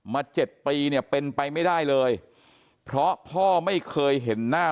๗ปีเนี่ยเป็นไปไม่ได้เลยเพราะพ่อไม่เคยเห็นหน้า